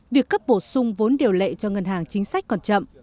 việc cấp bổ sung vốn điều lệ cho ngân hàng chính sách còn chậm